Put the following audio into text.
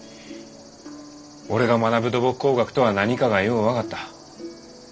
俺が学ぶ土木工学とは何かがよう分かった。